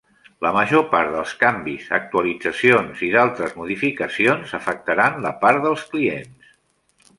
La major part dels canvis, actualitzacions i d'altres modificacions afectaran la part dels clients.